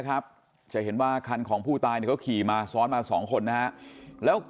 ครับจะเห็นว่าคันของผู้ตายเขาขี่มาซ้อนมา๒คนนะแล้ว